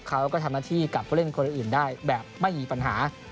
เขาก็ทำหน้าที่กับผู้เล่นคนอื่นได้แบบไม่มีปัญหา